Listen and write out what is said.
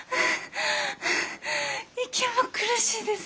息も苦しいです。